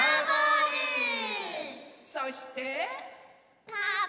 そして。